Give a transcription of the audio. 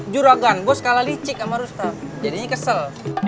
juragan bos kalah licik sama rustam jadinya kesel